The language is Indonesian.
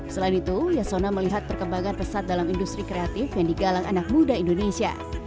selain itu yasona melihat perkembangan pesat dalam industri kreatif yang digalang anak muda indonesia